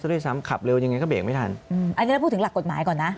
ด้วยซ้ำขับเร็วยังไงก็เบรกไม่ทันอืมอันนี้เราพูดถึงหลักกฎหมายก่อนนะ